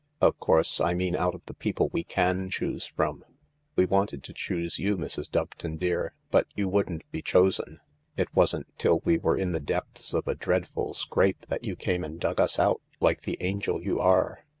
" Of course, I mean out of the people we can choose from. We wanted to choose you, Mrs. Doveton dear, but you wouldn't be chosen. It wasn't till we were in the depths of a dread ful scrape that you came and dug us out, like the angel you are."